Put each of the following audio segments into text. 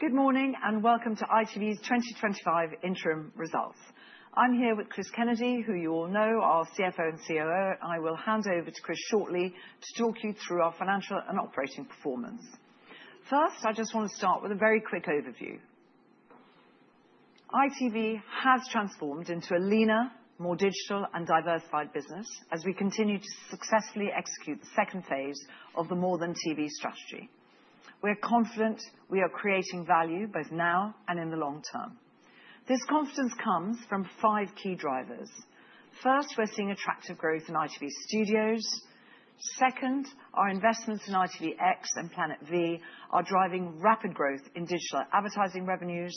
Good morning and welcome to ITV's 2025 Interim Results. I'm here with Chris Kennedy, who you all know, our CFO and COO. I will hand over to Chris shortly to talk you through our financial and operating performance. First, I just want to start with a very quick overview. ITV has transformed into a leaner, more digital and diversified business. As we continue to successfully execute the second phase of the More Than TV strategy, we are confident we are creating value both now and in the long term. This confidence comes from five key drivers. First, we're seeing attractive growth in ITV Studios. Second, our investments in ITVX and Planet V are driving rapid growth in digital advertising revenues.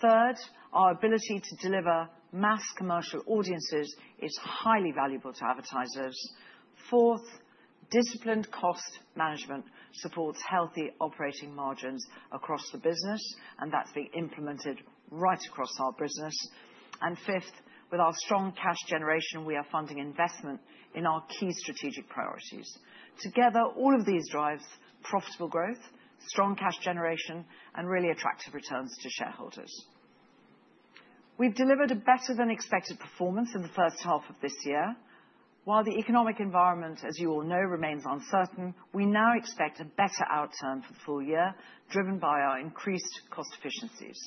Third, our ability to deliver mass commercial audiences is highly valuable to advertisers. Fourth, disciplined cost management supports healthy operating margins across the business and that's being implemented right across our business. Fifth, with our strong cash generation, we are funding investment in our key strategic priorities. Together, all of these drive profitable growth, strong cash generation and really attractive returns to shareholders. We've delivered a better than expected performance in the first half of this year. While the economic environment, as you all know, remains uncertain, we now expect a better outturn for the full year driven by our increased cost efficiencies.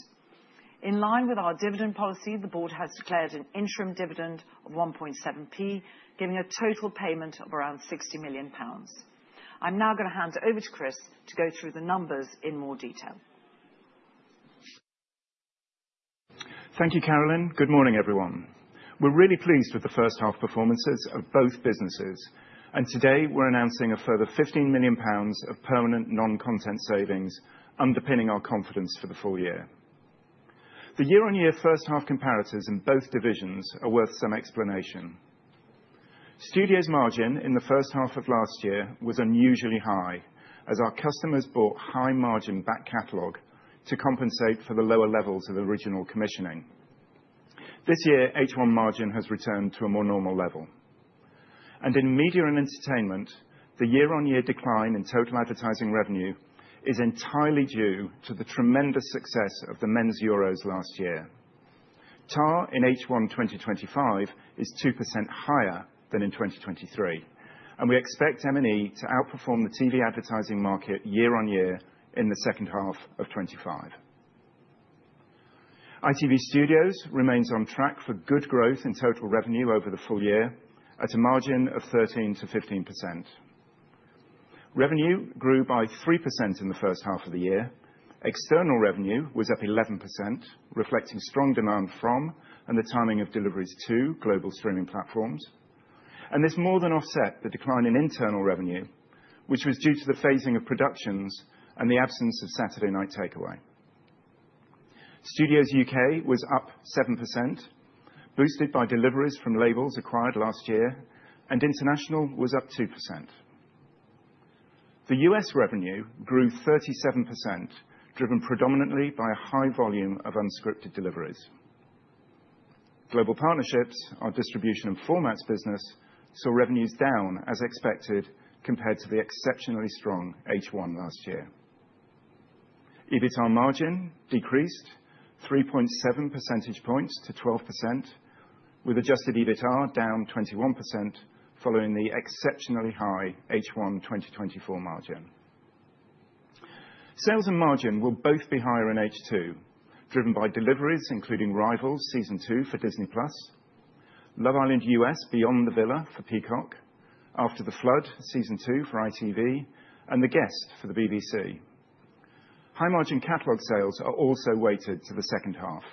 In line with our dividend policy, the board has declared an interim dividend of 0.017, giving a total payment of around 60 million pounds. I'm now going to hand it over to Chris to go through the numbers in more detail. Thank you, Carolyn. Good morning everyone. We're really pleased with the first half performances of both businesses. Today we're announcing a further 15 million pounds of permanent non-content savings underpinning our confidence for the full year. The year-on-year first half comparators in both divisions are worth some explanation. Studios margin in the first half of last year was unusually high as our customers bought high margin back catalog to compensate for the lower levels of original commissioning. This year H1 margin has returned to a more normal level. In Media and Entertainment, the year-on-year decline in total advertising revenue is entirely due to the tremendous success of the men's Euros last year. TAR in H1 2025 is 2% higher than in 2023 and we expect M&E to outperform the TV advertising market year-on-year. In second half of 2025, ITV Studios remains on track for good growth in total revenue over the full year at a margin of 13% to 15%. Revenue grew by 3% in the first half of the year. External revenue was up 11%, reflecting strong demand from and the timing of deliveries to global streaming platforms and this more than offset the decline in internal revenue which was due to the phasing of productions and the absence of Saturday Night Takeaway. Studios UK was up 7%, boosted by deliveries from labels acquired last year and International was up 2%. The U.S. revenue grew 37%, driven predominantly by a high volume of unscripted deliveries. Global Partnerships, our distribution and formats business, saw revenues down as expected compared to the exceptionally strong H1 last year. EBITDA margin decreased 3.7 percentage points to 12% with adjusted EBITDA down 21% following the exceptionally high H1 2024 margin. Sales and margin will both be higher in H2 driven by deliveries including Rivals Season 2 for Disney+, Love Island U.S. Beyond the Villa for Peacock, After the Flood Season 2 for ITV, and The Guest for the BBC. High margin catalog sales are also weighted to the second half.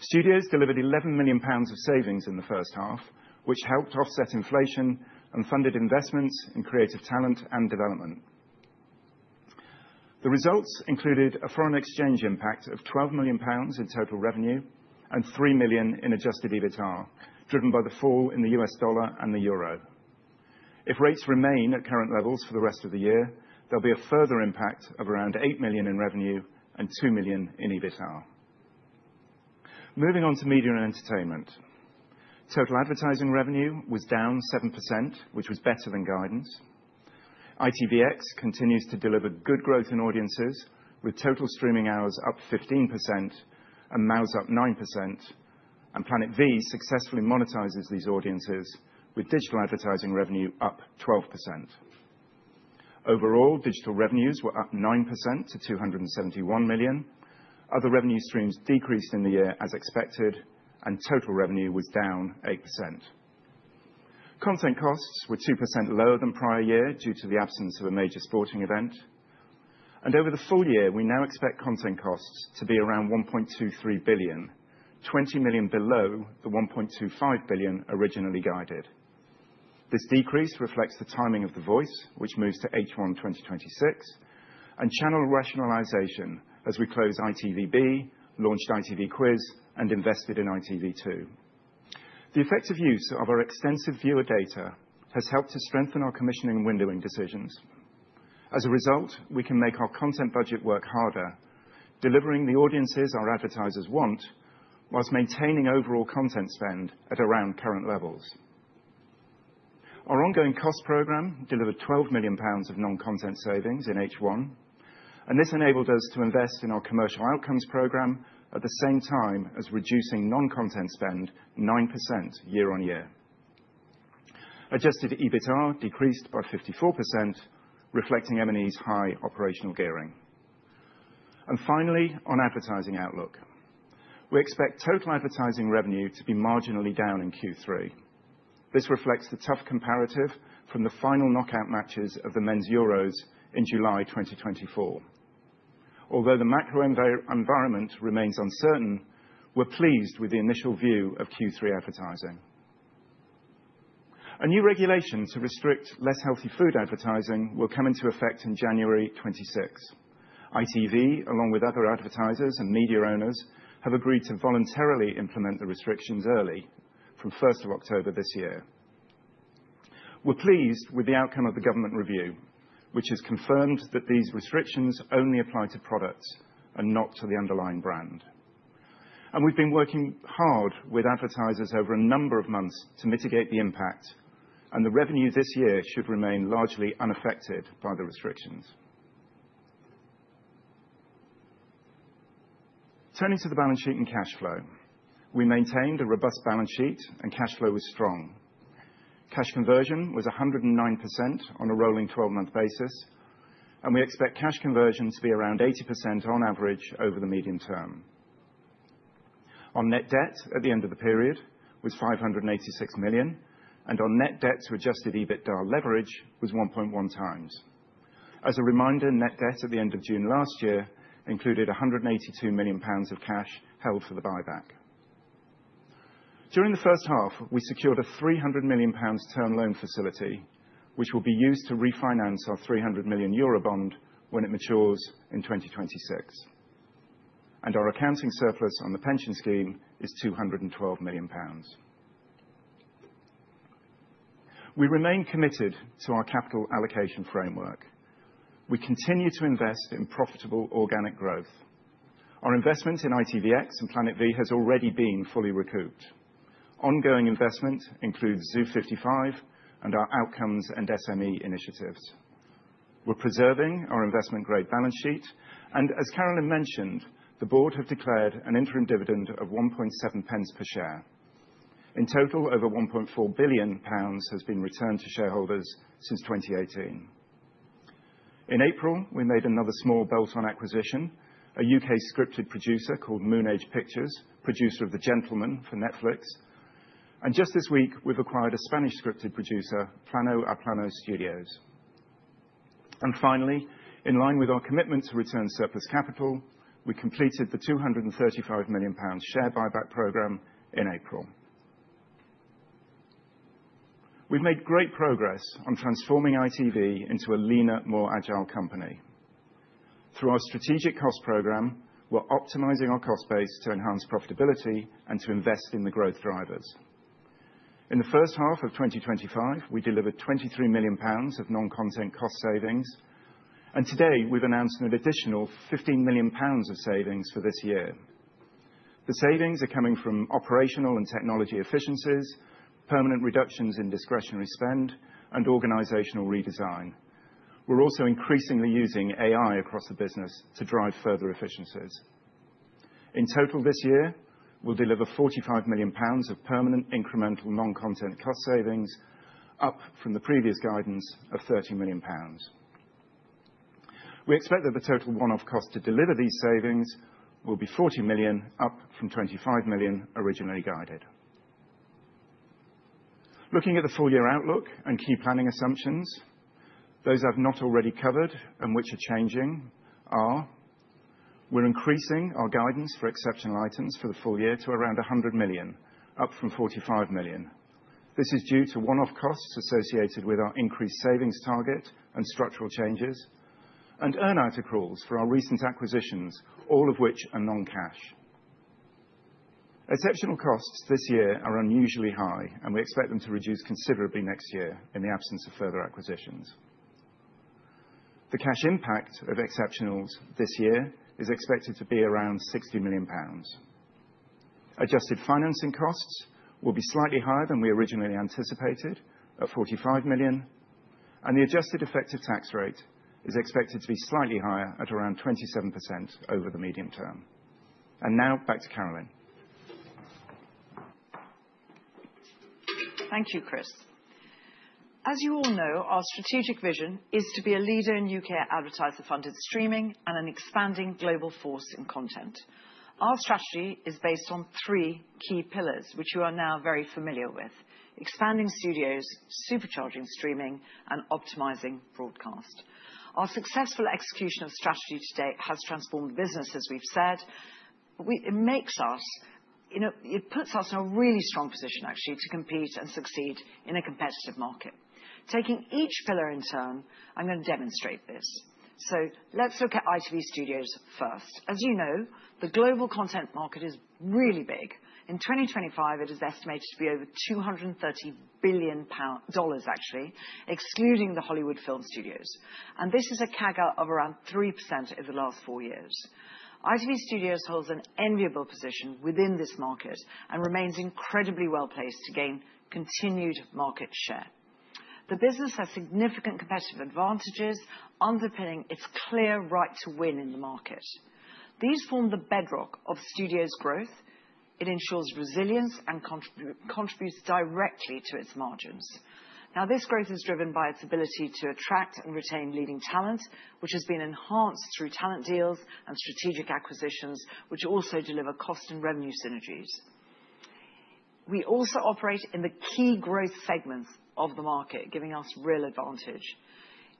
Studios delivered 11 million pounds of savings in the first half which helped offset inflation and funded investments in creative talent and development. The results included a foreign exchange impact of 12 million pounds in total revenue and 3 million in adjusted EBITDA driven by the fall in the U.S. dollar and the euro. If rates remain at current levels for the rest of the year, there'll be a further impact of around 8 million in revenue and 2 million in EBITDA. Moving on to Media and Entertainment, total advertising revenue was down 7% which was better than guidance. ITVX continues to deliver good growth in audiences with total streaming hours up 15% and MAUs up 9% and Planet V successfully monetizes these audiences with digital advertising revenue up 12%. Overall digital revenues were up 9% to 271 million. Other revenue streams decreased in the year as expected and total revenue was down 8%. Content costs were 2% lower than prior year due to the absence of a major sporting event and over the full year we now expect content costs to be around 1.23 billion, 20 million below the 1.25 billion originally guided. This decrease reflects the timing of The Voice which moves to H1 2026 and channel rationalization as we close. ITVX launched ITV Quiz and invested in ITV2. The effective use of our extensive viewer data has helped to strengthen our commissioning and windowing decisions. As a result, we can make our content budget work harder delivering the audiences our advertisers want whilst maintaining overall content spend at around current levels. Our ongoing cost program delivered 12 million pounds of non-content savings in H1 and this enabled us to invest in our commercial outcomes program at the same time as reducing non-content spend 9% year-on-year. Adjusted EBITDA decreased by 54% reflecting M&E's high operational gearing. Finally, on advertising outlook, we expect total advertising revenue to be marginally down in Q3. This reflects the tough comparative from the final knockout matches of the men's Euros in July 2024. Although the macro environment remains uncertain, we're pleased with the initial view of Q3 advertising. A new regulation to restrict less healthy food advertising will come into effect in January 26th. ITV, along with other advertisers and media owners, have agreed to voluntarily implement the restrictions early from 1st of October this year. We're pleased with the outcome of the government review which has confirmed that these restrictions only apply to products and not to the underlying brand, and we've been working hard with advertisers over a number of months to mitigate the impact and the revenue this year should remain largely unaffected by the restrictions. Turning to the balance sheet and cash flow, we maintained a robust balance sheet and cash flow was strong. Cash conversion was 109% on a rolling 12 month basis and we expect cash conversion to be around 80% on average over the medium term. Net debt at the end of the period was 586 million and net debt to adjusted EBITDA leverage was 1.1 times. As a reminder, net debt at the end of June last year included 182 million pounds of cash held for the buyback. During the first half, we secured a 300 million pounds term loan facility which will be used to refinance our 300 million euro bond when it matures in 2026, and our accounting surplus on the pension scheme is 212 million pounds. We remain committed to our capital allocation framework. We continue to invest in profitable organic growth. Our investment in ITVX and Planet V has already been fully recouped. Ongoing investment includes Zoo 55 and our outcomes and SME initiatives. We're preserving our investment grade balance sheet, and as Carolyn mentioned, the Board have declared an interim dividend of 0.017 per share. In total, over 1.4 billion pounds has been returned to shareholders since 2018. In April, we made another small bolt-on acquisition, a U.K. scripted producer called Moonage Pictures, producer of The Gentleman for Netflix. This week, we've acquired a Spanish scripted producer, Plano a Plano Studios. Finally, in line with our commitment to return surplus capital, we completed the 235 million pounds share buyback program in April. We've made great progress on transforming ITV into a leaner, more agile company. Through our strategic cost program, we're optimizing our cost base to enhance profitability and to invest in the growth drivers. In the first half of 2024, we delivered 23 million pounds of non-content cost savings, and today we've announced an additional 15 million pounds of savings for this year. The savings are coming from operational and technology efficiencies, permanent reductions in discretionary spend, and organizational redesign. We're also increasingly using AI across the business to drive further efficiencies. In total this year, we'll deliver 45 million pounds of permanent incremental non-content cost savings, up from the previous guidance of 30 million pounds. We expect that the total one-off cost to deliver these savings will be 40 million, up from 25 million originally guided. Looking at the full year outlook and key planning assumptions, those I've not already covered and which are changing, we're increasing our guidance for exceptional items for the full year to around 100 million, up from 45 million. This is due to one-off costs associated with our increased savings target and structural changes and earn-out accruals for our recent acquisitions, all of which are non-cash. Exceptional costs this year are unusually high, and we expect them to reduce considerably next year. In the absence of further acquisitions, the cash impact of exceptionals this year is expected to be around 60 million pounds. Adjusted financing costs will be slightly higher than we originally anticipated at 45 million, and the adjusted effective tax rate is expected to be slightly higher at around 27% over the medium term. Now back to Carolyn. Thank you, Chris. As you all know, our strategic vision is to be a leader in U.K. advertiser funded streaming and an expanding global force in content. Our strategy is based on three key pillars which you are now very familiar with: expanding studios, supercharging streaming, and optimizing broadcast. Our successful execution of strategy today has transformed the business. As we've said, it puts us in a really strong position actually to compete and succeed in a competitive market. Taking each pillar in turn, I'm going to demonstrate this. Let's look at ITV Studios first. As you know, the global content market is really big. In 2025, it is estimated to be over $230 billion, actually excluding the Hollywood Film Studios. This is a CAGR of around 3% in the last four years. ITV Studios holds an enviable position within this market and remains incredibly well placed to gain continued market share. The business has significant competitive advantages underpinning its clear right to win in the market. These form the bedrock of Studios' growth, ensure resilience, and contribute directly to its margins. This growth is driven by its ability to attract and retain leading talent, which has been enhanced through talent deals and strategic acquisitions which also deliver cost and revenue synergies. We also operate in the key growth segments of the market, giving us real advantage.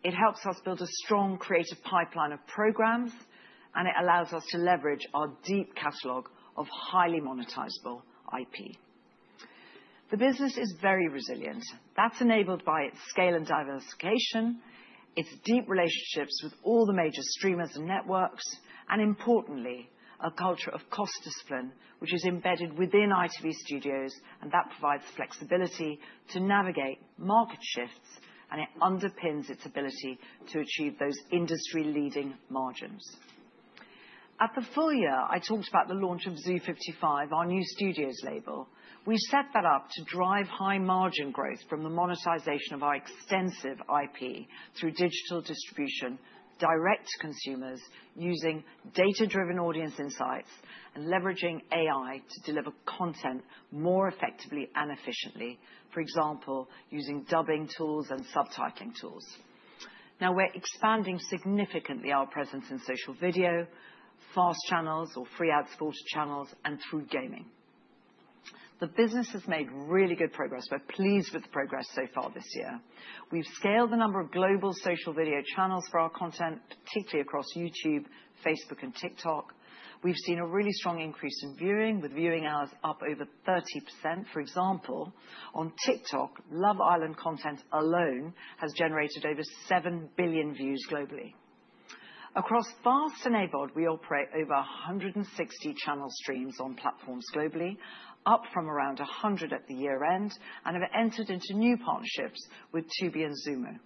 It helps us build a strong creative pipeline of programs and allows us to leverage our deep catalog of highly monetizable IP. The business is very resilient. That's enabled by its scale and diversification, its deep relationships with all the major streamers and networks, and importantly a culture of cost discipline which is embedded within ITV Studios. That provides flexibility to navigate market shifts and underpins its ability to achieve those industry leading margins. At the full year, I talked about the launch of Zoo 55, our new studios label. We set that up to drive high margin growth from the monetization of our extensive IP through digital distribution, direct to consumers using data driven audience insights, and leveraging AI to deliver content more effectively and efficiently, for example using dubbing tools and subtitling tools. Now we're expanding significantly our presence in social video, FAST channels or free ad supported channels, and through gaming. The business has made really good progress. We're pleased with the progress so far this year. Year we've scaled the number of global social video channels for our content, particularly across YouTube, Facebook, and TikTok. We've seen a really strong increase in viewing with viewing hours up over 30%. For example, on TikTok, Love Island content alone has generated over 7 billion views globally. Across FAST enabled, we operate over 160 channel streams on platforms globally, up from around 100 at the year end, and have entered into new partnerships with Tubi and Xumo.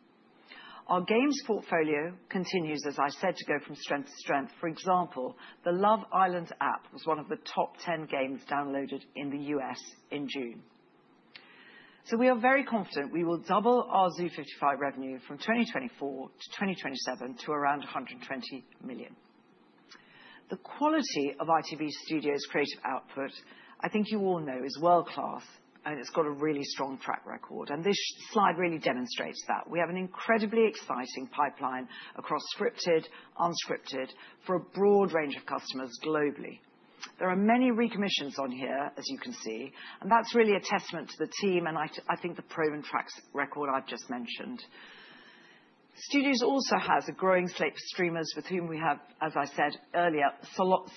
Our games portfolio continues, as I said, to go from strength to strength. For example, the Love Island app was one of the top 10 games downloaded in the U.S. in June. We are very confident we will double our Zoo 55 revenue from 2024 to 2027 to around 120 million. The quality of ITV Studios creative output, I think you all know, is world class and it's got a really strong track record, and this slide really demonstrates that we have an incredibly exciting pipeline across scripted, unscripted for a broad range of customers globally. There are many recommissions on here, as you can see, and that's really a testament to the team and I think the proven track record I've just mentioned. Studios also has a growing slate for streamers with whom we have, as I said earlier,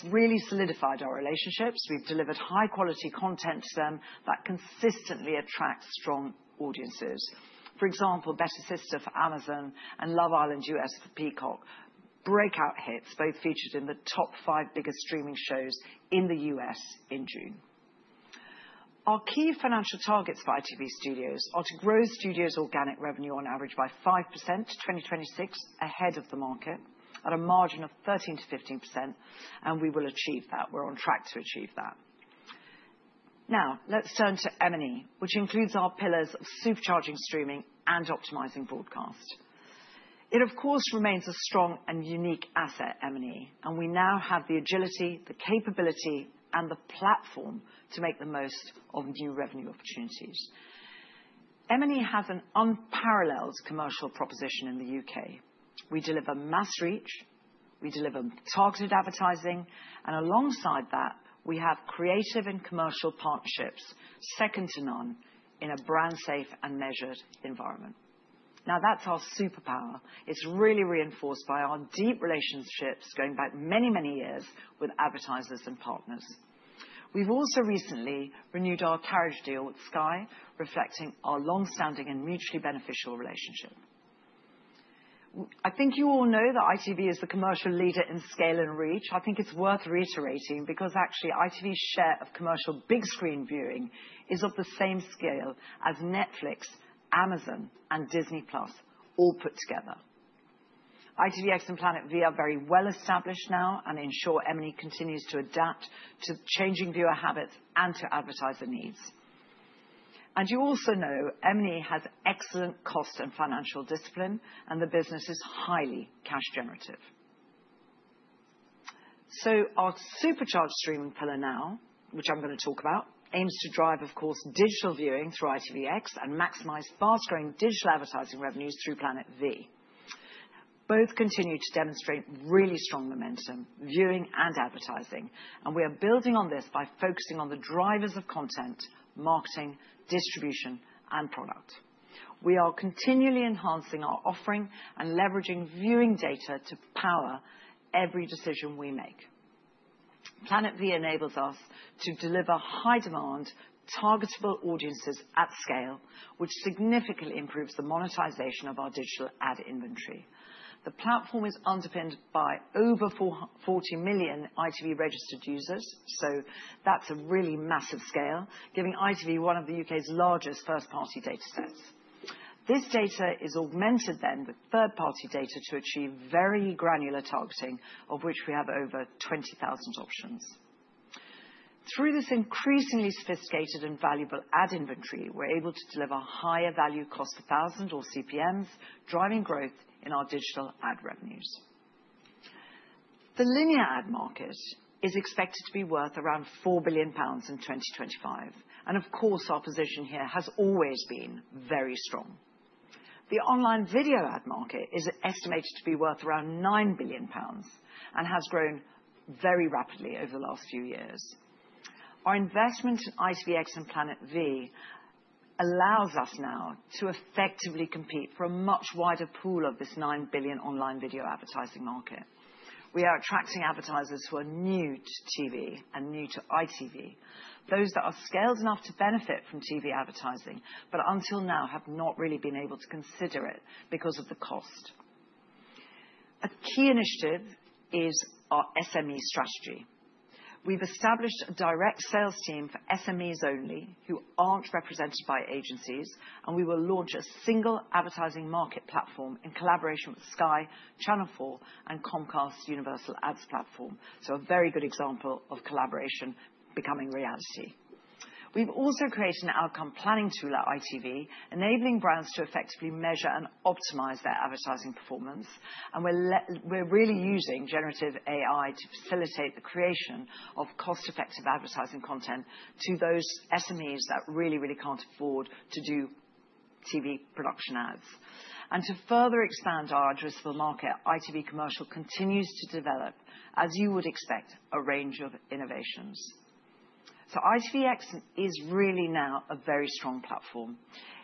really solidified our relationships. We've delivered high quality content to them that consistently attracts strong audiences. For example, Better Sister for Amazon and Love Island U.S. for Peacock breakout hits. Both featured in the top five biggest streaming shows in the U.S. in June. Our key financial targets for ITV Studios are to grow Studios organic revenue opportun on average by 5% to 2026 ahead of the market at a margin of 13% to 15%. We will achieve that. We're on track to achieve that. Now let's turn to M&E, which includes our pillars of supercharging streaming and optimizing broadcast. It of course remains a strong and unique asset, M&E. We now have the agility, the capability, and the platform to make the most of new revenue opportunities. M&E has an unparalleled commercial proposition in the U.K. We deliver mass reach, we deliver targeted advertising, and alongside that we have creative and commercial partnerships second to none in a brand safe and measured environment. That's our superpower. It's really reinforced by our deep relationships going back many, many years with advertisers and partners. We've also recently renewed our carriage deal with Sky, reflecting our long-standing and mutually beneficial relationship. I think you all know that ITV is the commercial leader in scale and reach. I think it's worth reiterating because actually ITV's share of commercial big screen viewing is of the same scale as Netflix, Amazon, and Disney+ all put together. ITVX and Planet V are very well established now and ensure ITV continues to adapt to changing viewer habits and to advertiser needs. You also know ITV has excellent cost and financial discipline and the business is highly cash generative. Our supercharged streaming pillar now, which I'm going to talk about, aims to drive, of course, digital viewing through ITVX and maximize fast-growing digital advertising revenues through Planet V. Both continue to demonstrate really strong momentum in viewing and advertising and we are building on this by focusing on the drivers of content, marketing, distribution, and product. We are continually enhancing our offering and leveraging viewing data to power every decision we make. Planet V enables us to deliver high-demand, targetable audiences at scale, which significantly improves the monetization of our digital ad inventory. The platform is underpinned by over 40 million ITV registered users. That's a really massive scale, giving ITV one of the UK's largest first-party data sets. This data is augmented then with third-party data to achieve very granular targeting, of which we have over 20,000 options. Through this increasingly sophisticated and valuable ad inventory, we're able to deliver higher value cost per thousand, or CPMs, driving growth in our digital ad revenues. The linear ad market is expected to be worth around 4 billion pounds in 2025. Our position here has always been very strong. The online video ad market is estimated to be worth around 9 billion pounds and has grown very rapidly over the last few years. Our investment in ITVX and Planet V allows us now to effectively compete for a much wider pool of this 9 billion online video advertising market. We are attracting advertisers who are new to TV and new to ITV, those that are scaled enough to benefit from TV advertising, but until now have not really been able to consider it because of the cost. A key initiative is our SME strategy. We've established a direct sales team for SMEs only who aren't represented by agencies. We will launch a single advertising market platform in collaboration with Sky, Channel 4, and Comcast Universal Ads Platform. This is a very good example of collaboration becoming reality. We've also created an outcome planning tool at ITV enabling brands to effectively measure and optimize their advertising performance. We're really using generative AI to facilitate the creation of cost-effective advertising content to those SMEs that really, really can't afford to do TV production ads. To further expand our addressable market, ITV Commercial continues to develop, as you would expect, a range of innovations. ITVX is really now a very strong platform.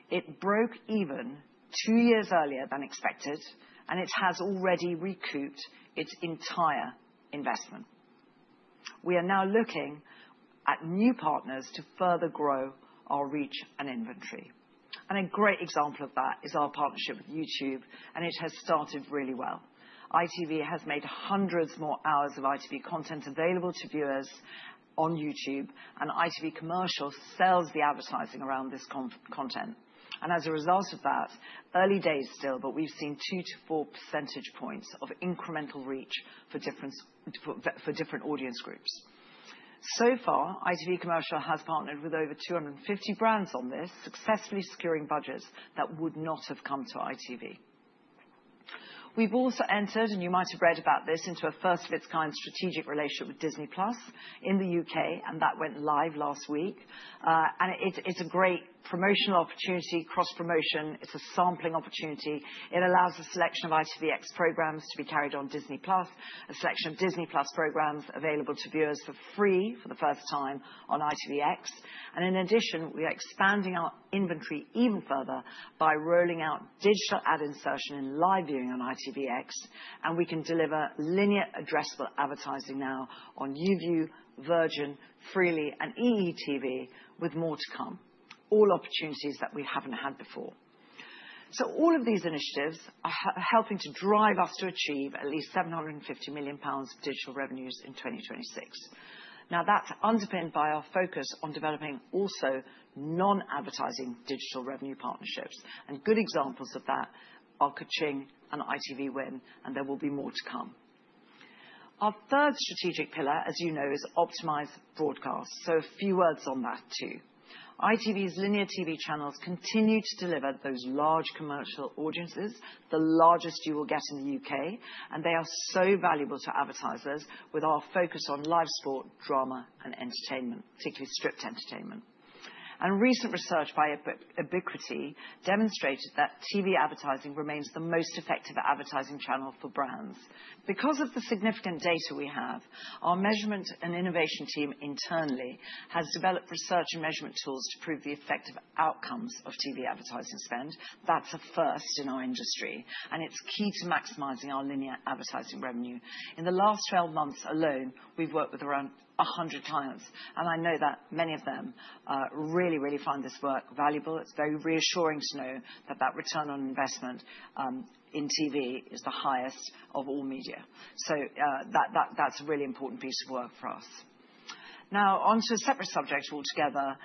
It broke even two years earlier than expected, and it has already recouped its entire investment. We are now looking at new partners to further grow our reach and inventory. A great example of that is our partnership with YouTube, and it has started really well. ITV has made hundreds more hours of ITV content available to viewers on YouTube, and ITV Commercial sells the advertising around this content. As a result of that, early days still, but we've seen 2% to 4% of incremental reach for different audience groups so far. ITV Commercial has partnered with over 250 brands on this, successfully securing budgets that would not have come to ITV. We've also entered, and you might have read about this, into a first-of-its-kind strategic relationship with Disney+ in the UK, and that went live last week. It's a great promotional opportunity, cross-promotion, it's a sampling opportunity. It allows a selection of ITVX programs to be carried on Disney+, a selection of Disney+ programs available to viewers for free for the first time on ITVX. In addition, we are expanding our inventory even further by rolling out digital ad insertion in live viewing on ITVX, and we can deliver linear addressable advertising now on YouView, Virgin, Freely, and EETV, with more to come, all opportunities that we haven't had before. All of these initiatives are helping to drive us to achieve at least 750 million pounds of digital revenues in 2026. That's underpinned by our focus on developing also non-advertising digital revenue partnerships. Good examples of that are Keqing and ITV Win, and there will be more to come. Our third strategic pillar, as you know, is optimized broadcast. A few words on that too. ITV's linear TV channels continue to deliver those large commercial audiences, the largest you will get in the UK. They are so valuable to advertisers. With our focus on live sport, drama, and entertainment, particularly stripped entertainment, recent research by Ubiquiti demonstrated that TV advertising remains the most effective advertising channel for brands. Because of the significant data we have, our measurement and innovation team internally has developed research and measurement tools to prove the effective outcomes of TV advertising spending. That's a first in our industry, and it's key to maximizing our linear advertising revenue. In the last 12 months alone, we've worked with around 100 clients, and I know that many of them really, really find this work valuable. It's very reassuring to know that that Return of Investment in TV is the highest of all media. That's a really important piece of work for us. Now onto a separate subject altogether.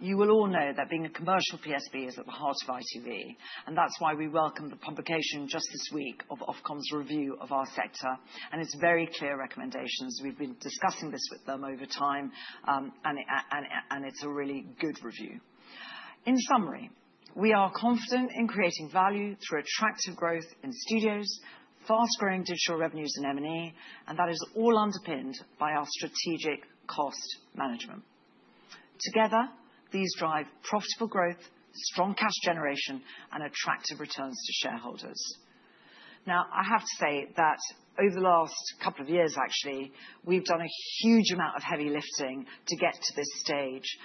You will all know that being a commercial PSB is at the heart of ITV. That's why we welcomed the publication just this week of Ofcom's review of our sector and its very clear recommendations. We've been discussing this with them over time, and it's a really good review. In summary, we are confident in creating value through attractive growth in Studios, fast-growing digital revenues in M&E, and that is all underpinned by our strategic cost management. Together, these drive profitable growth, strong cash generation, and attractive returns to shareholders. I have to say that over the last couple of years, actually we've done a huge amount of heavy lifting to get to this stage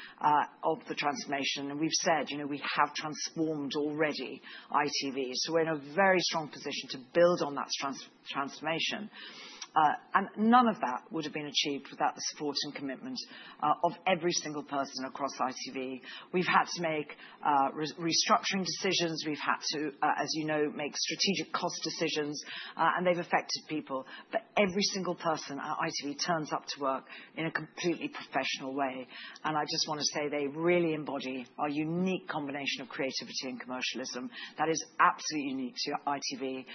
of the transformation. We've said, you know, we have transformed already. ITV is in a very strong position to build on that transformation. None of that would have been achieved without the support and commitment of every single person across ITV. We've had to make restructuring decisions, we've had to, as you know, make strategic cost decisions, and they've affected people. Every single person at ITV turns up to work in a completely professional way, and I just want to say they really embody our unique combination of creativity and commitment that is absolutely unique to ITV.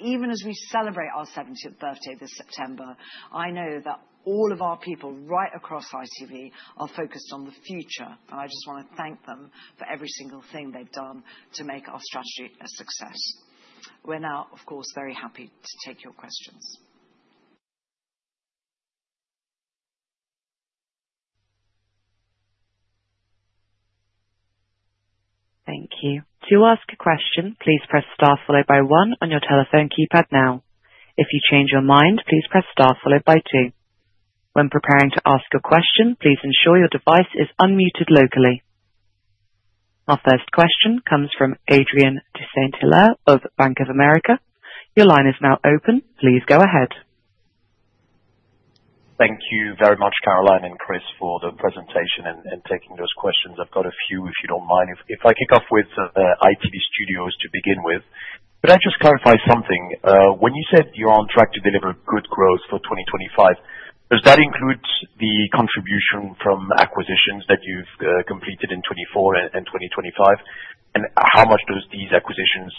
Even as we celebrate our 70th birthday this September, I know that all of our people right across ITV are focused on the future. I just want to thank them for every single thing they've done to make our strategy a success. We're now, of course, very happy to take your questions. Thank you. To ask a question, please press star followed by one on your telephone keypad. If you change your mind, please press star followed by two. When preparing to ask a question, please ensure your device is unmuted locally. Our first question comes from Adrien de Saint Hilaire of Bank of America. Your line is now open. Please go ahead. Thank you very much, Carolyn and Chris, for the presentation and taking those questions. I've got a few. If you don't mind if I kick off with ITV Studios to begin with, could I just clarify something? When you said you're on track to deliver good growth for 2025, does that include the contribution from acquisitions that you've completed in 2024 and 2025, and how much do these acquisitions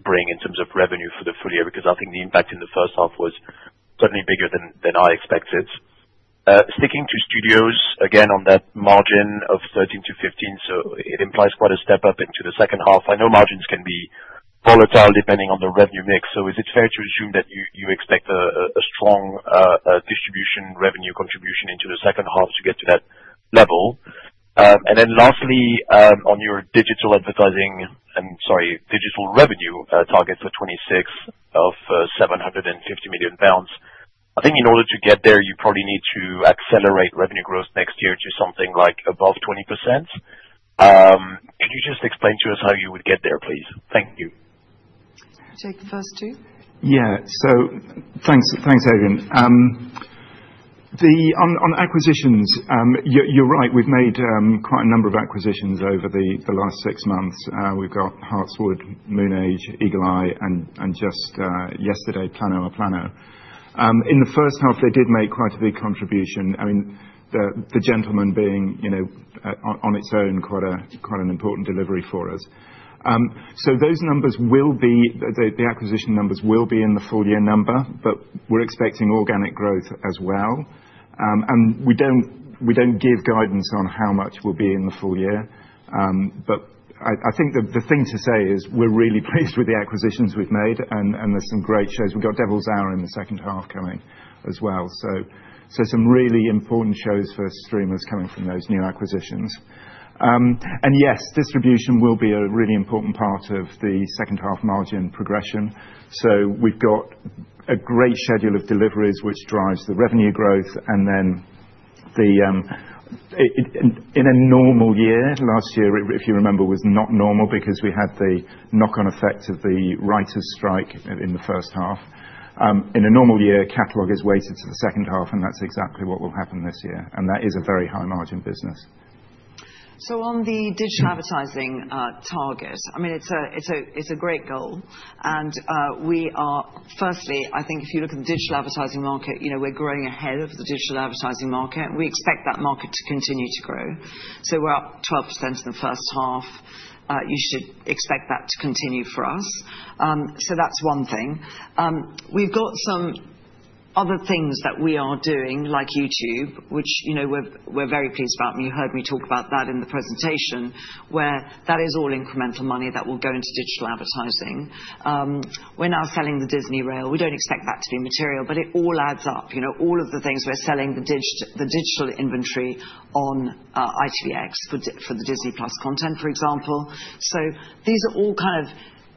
bring in terms of revenue for the full year? Because I think the impact in the first half was certainly bigger than I expected. Sticking to studios, again, on that margin of 13 to 15%. It implies quite a step up into the second half. I know margins can be volatile depending on the revenue mix, so is it fair to assume that you expect a strong distribution revenue contribution into the second half to get to that level? Lastly, on your digital advertising—sorry, digital revenue target for 2026 of 750 million pounds. I think in order to get there, you probably need to accelerate revenue growth next year to something like above 20%. Could you just explain to us how you would get there, please? Thank you. Take the first two. Yeah. Thanks, Adrien. On acquisitions, you're right, we've made quite a number of acquisitions over the last six months. We've got Hartswood, Moonage, Eagle Eye, and just yesterday, Plano a Plano. In the first half, they did make quite a big contribution. I mean, the gentleman being, you know, on its own, quite an important delivery for us. Those numbers will be in the full year number, but we're expecting organic growth. We don't give guidance on how much will be in the full year. I think the thing to say is we're really pleased with the acquisitions we've made and there's some great shows. We've got Devil's Hour in the second half coming as well. Some really important shows for streamers are coming from those new acquisitions. Yes, distribution will be a really important part of the second half margin progression. We've got a great schedule of deliveries which drives the revenue growth. In a normal year, last year, if you remember, was not normal because we had the knock-on effect of the writers strike in the first half. In a normal year, catalog is weighted to the second half and that's exactly what will happen this year. That is a very high margin business. On the digital advertising target, it's a great goal. If you look at the digital advertising market, we're growing ahead of the digital advertising market. We expect that market to continue to grow. We're up 12% in the first half. You should expect that to continue for us. That's one thing. We've got some other things that we are doing like YouTube, which we're very pleased about and you heard me talk about that in the presentation where that is all incremental money that will go into digital advertising. We're now selling the Disney Rail. We don't expect that to be material, but it all adds up. All of the things we're selling, the digital inventory on ITVX for the Disney+ content, for example. These are all kind of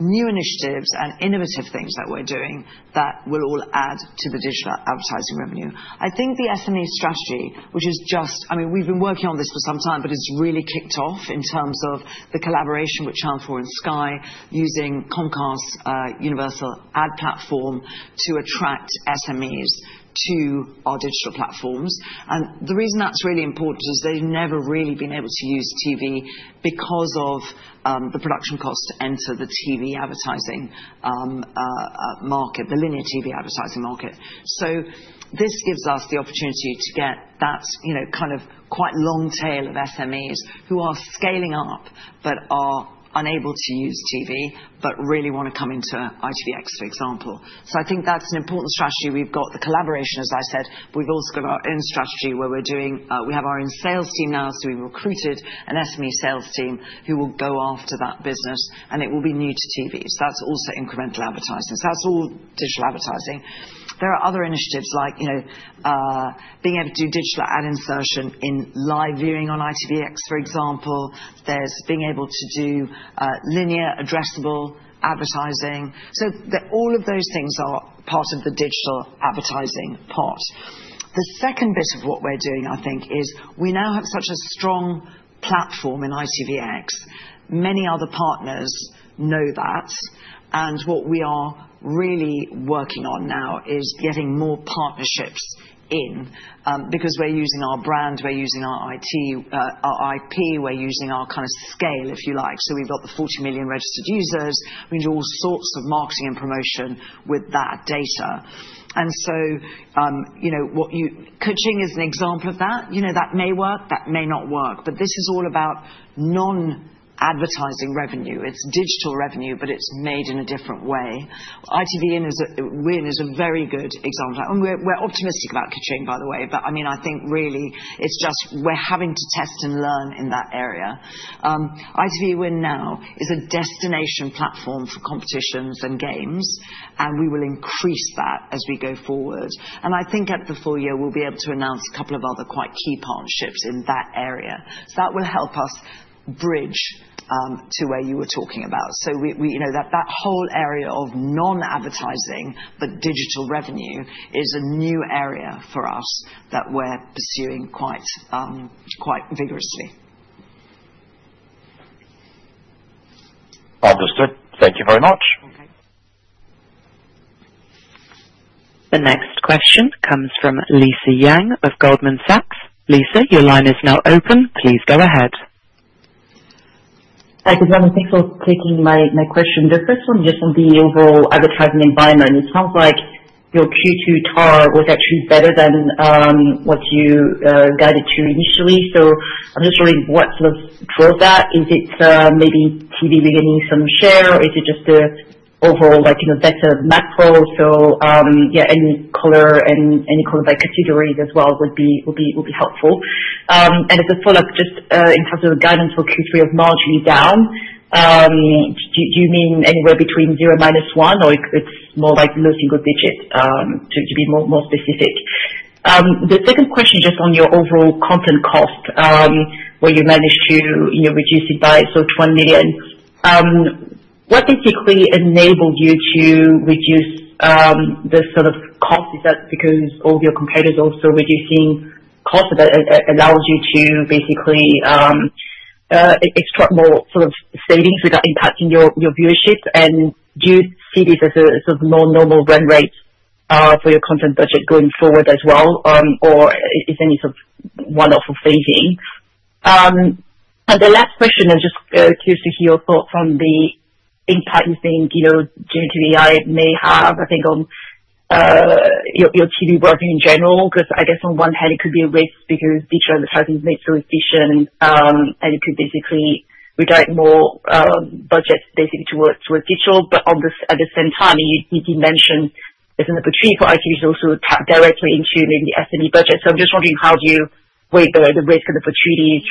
new initiatives and innovative things that we're doing that will all add to the digital advertising revenue. I think the SME strategy, which is just, we've been working on this for some time, but it's really kicked off in terms of the collaboration with Channel 4 and Sky using Comcast Universal Ad Platform to attract SMEs to our digital platforms. The reason that's really important is they've never really been able to use TV because of the production cost to enter the TV advertising market, the linear TV advertising market. This gives us the opportunity to get that quite long tail of SMEs who are scaling up but are unable to use TV but really want to come into ITVX, for example. I think that's an important strategy. We've got the collaboration, as I said, we've also got our own strategy where we're doing. We have our own sales team now. We recruited an SME sales team who will go after that business and it will be new to TV. That's also incremental advertising. That's all digital advertising. There are other initiatives like being able to do digital ad insertion in live viewing on ITVX, for example, and being able to do linear addressable advertising. All of those things are part of the digital advertising part. The second bit of what we're doing, I think, is we now have such a strong platform in ITVX. Many other partners know that. What we are really working on now is getting more partnerships in because we're using our brand, we're using our IT, our IP, we're using our kind of scale if you like. We've got the 40 million registered users, we do all sorts of marketing and promotion with that data. You know, Kuching is an example of that. You know, that may work, that may not work, but this is all about non-advertising revenue. It's digital revenue, but it's made in a different way. ITV Win is a very good example and we're optimistic about Kuching, by the way. I think really it's just we're having to test and learn in that area. ITV Win now is a destination platform for competitions and games and we will increase that as we go forward. I think at the full year we'll be able to announce a couple of other quite key partnerships in that area that will help us bridge to where you were talking about. That whole area of non-advertising, but digital revenue is a new area for us that we're pursuing quite vigorously. Understood. Thank you very much. The next question comes from Lisa Yang of Goldman Sachs. Lisa, your line is now open. Please go ahead. Thanks for taking my question. The first one, just on the overall advertising environment, it sounds like your Q2 TAR was actually better than what you guided to initially. I'm just wondering what sort of drove that. Is it maybe TV beginning some share or is it just the overall, like, you know, better macro? Any color and any color by categories as well would be helpful. Will be helpful. As a follow up, just in terms of the guidance for Q3 of marginally down, do you mean anywhere between 0 to -1% or is it more like low single digit to be more specific? The second question, just on your overall content cost where you managed to reduce it by 20 million, what basically enabled you to reduce the sort of cost? Is that because all your competitors are also reducing cost, that allows you to extract more savings without impacting your viewership? Do you see this as a more normal run rate for your content budget going forward as well, or is any of it a one off or phasing? The last question, I'm just curious to hear your thoughts on the impact you think generative AI may have. I think on your TV working in general, because I guess on one hand it could be a risk because digital advertising is made so efficient and you could redirect more budget towards digital. At the same time, you did mention it's an opportunity for ITV to also tap directly into maybe the SME budget. I'm just wondering, how do you weigh the risk of the changes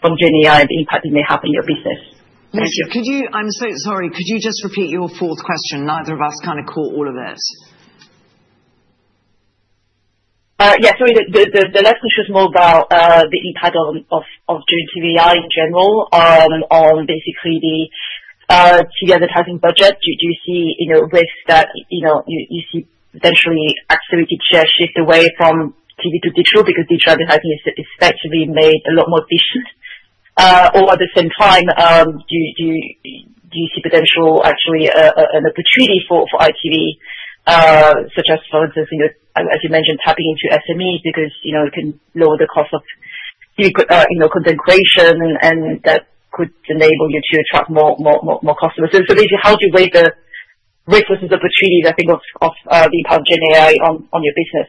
from generative AI and the impact it may have in your business? I'm so sorry, could you just repeat your fourth question? Neither of us kind of caught all of this. Yes, the last question is more about the impact of joint in general on basically to the advertising budget. Do you see risks that you see potentially accelerated share shift away from TV to digital because digital made a lot more efficient, or at the same time do you see potential actually an opportunity for ITV, such as for instance, as you mentioned, tapping into SMEs because it can lower the cost of content creation and that could enable you to attract more customers. Basically, how do you weigh the recluses of the treaties? I think of the Gen AI on your business.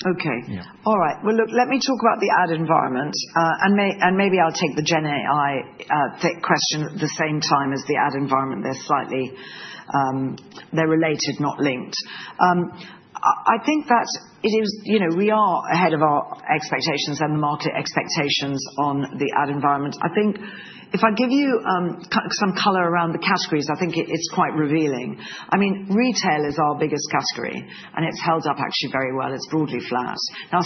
Okay, all right, look, let me talk about the ad environment and maybe I'll take the gen AI question at the same time as the ad environment. They're slightly, they're related, not linked. I think that it is, you know, we are ahead of our expectations and the market expectations on the ad environment. I think if I give you some color around the categories, I think it's quite revealing. I mean, retail is our biggest category and it's held up actually very well. It's broadly flat. Now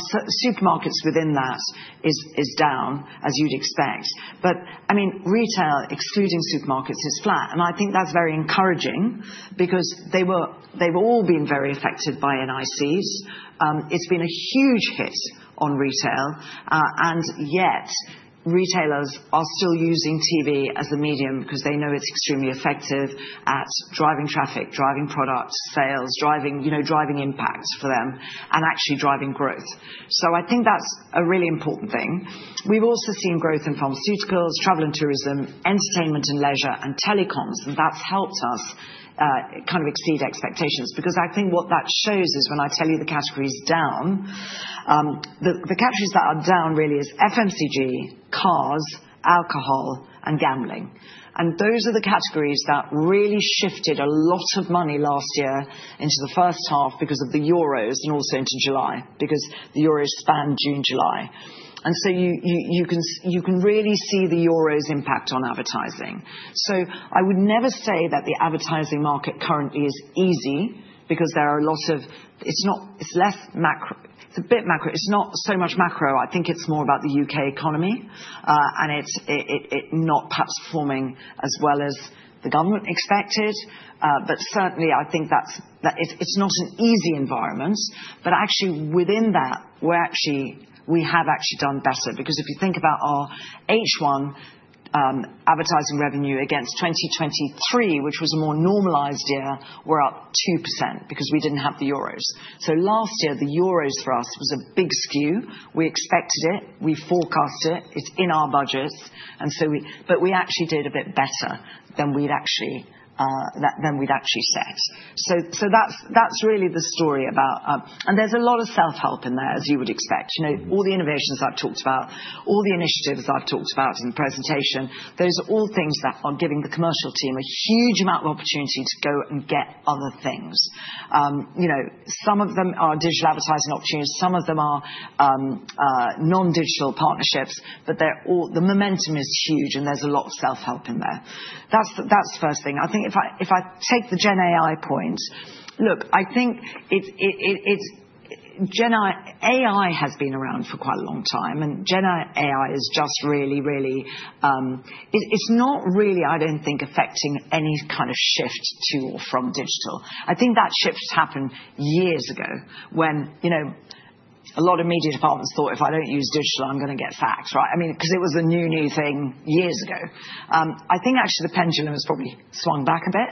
supermarkets within that is down, as you'd expect. I mean retail excluding supermarkets is flat. I think that's very encouraging because they've all been very affected by nics. It's been a huge hit on retail and yet retailers are still using TV as a medium because they know it's extremely effective at driving traffic, driving product sales, driving, you know, driving impacts for them and actually driving growth. I think that's a really important thing. We've also seen growth in pharmaceuticals, travel and tourism, entertainment and leisure, and telecoms. That's helped us kind of exceed expectations because I think what that shows is when I tell you the categories down, the categories that are down really is FMCG, cars, alcohol, and gambling. Those are the categories that really shifted a lot of money last year into the first half because of the Euros and also into July because the Euros span June, July. You can really see the Euros' impact on advertising. I would never say that the advertising market currently is easy because there are a lot of. It's not, it's less macro, it's a bit macro. It's not so much macro. I think it's more about the U.K. economy and it not perhaps performing as well as the government expected. Certainly I think that's, it's not an easy environment. Actually within that we have actually done better because if you think about our H1 advertising revenue against 2023, which was a more normalized year, we're up 2% because we didn't have the Euros. Last year the Euros for us was a big skew. We expected it, we forecast it, it's in our budgets. We actually did a bit better than we'd actually set. That's really the story about. There's a lot of self help in there, as you would expect. All the innovations I've talked about, all the initiatives I've talked about in the presentation, those are all things that are giving the commercial team a huge amount of opportunity to go and get other things. Some of them are digital advertising opportunities, some of them are non-digital partnerships. The momentum is huge and there's a lot of self help in there. That's the first thing. If I take the Gen AI points, look, I think Gen AI has been around for quite a long time and Gen AI is just really, really, it's not really, I don't think, affecting any kind of shift to or from digital. I think that shift happened years ago when, you know, a lot of media departments thought if I don't use digital I'm going to get faxed, right? I mean, because it was the new, new thing years ago. I think actually the pendulum has probably swung back a bit.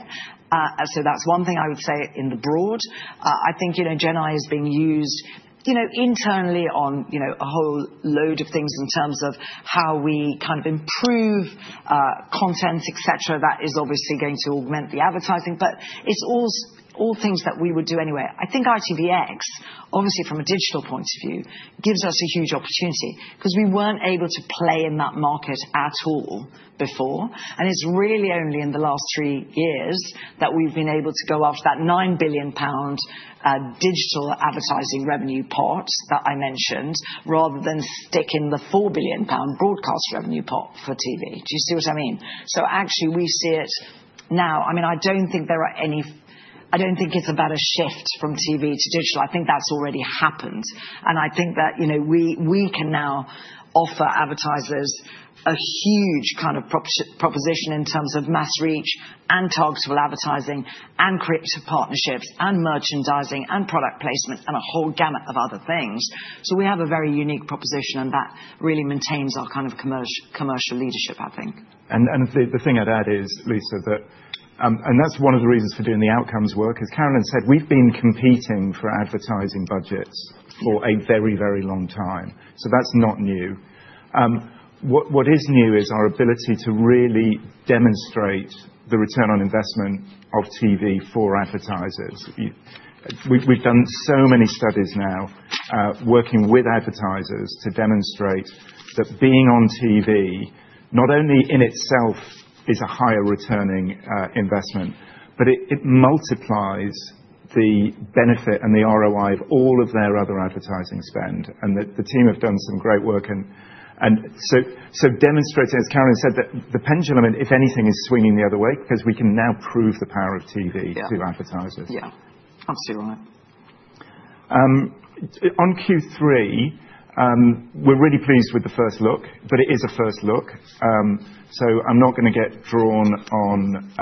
That's one thing I would say in the broad. I think, you know, Gen AI is being used, you know, internally on, you know, a whole load of things in terms of how we kind of improve content, etc. That is obviously going to augment the advertising. It's all things that we would do anyway. I think ITVX, obviously from a digital point of view, gives us a huge opportunity because we weren't able to play in that market at all before and it's really only in the last three years that we've been able to go after that 9 billion pound digital advertising revenue part that I mentioned, rather than stick in the 4 billion pound broadcast revenue pot for TV. Do you see what I mean? We see it now. I don't think there are any, I don't think it's about a shift from TV to digital. I think that's already happened and I think that, you know, we can now offer advertisers a huge kind of proposition in terms of mass reach and targetable advertising and creative partnerships and merchandising and product placement and a whole gamut of other things. We have a very unique proposition and that really maintains our kind of commercial leadership, I think. The thing I'd add is, Lisa, that's one of the reasons for doing the outcomes work. As Carolyn said, we've been competing for advertising budgets for a very, very long time, so that's not new. What is new is our ability to really demonstrate the return on investment of TV for advertisers. We've done so many studies now working with advertisers to demonstrate that being on TV not only in itself is a higher returning investment, but it multiplies the benefit and the ROI of all of their other advertising spend. The team have done some great work, demonstrating, as Carolyn said, that the pendulum, if anything, is swinging the other way because we can now prove the power of TV to advertisers. Yeah, absolutely right. On Q3, we're really pleased with the first look, but it is a first look, so I'm not going to get drawn on